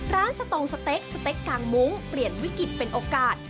สตองสเต็กสเต็กกางมุ้งเปลี่ยนวิกฤตเป็นโอกาส